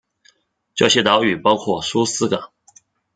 这些岛屿包括苏斯港。